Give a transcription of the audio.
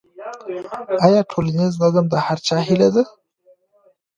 آیا ټولنیز نظم د هر چا هيله ده؟